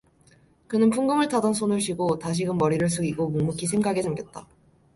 그는 풍금 타던 손을 쉬고 다시금 머리를 숙이고 묵묵히 생각에 잠겼다.